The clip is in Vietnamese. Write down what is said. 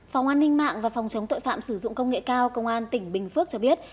phòng an ninh mạng và phòng chống tội phạm sử dụng công nghệ cao công an tỉnh bình phước cho biết